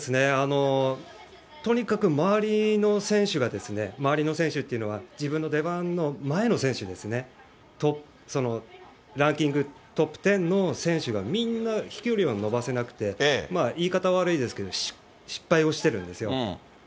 とにかく周りの選手が、周りの選手っていうのは、自分の出番の前の選手ですね、ランキングトップ１０の選手が、みんな飛距離は伸ばせなくて、言い方悪いですけど、失敗をしてるんですよ。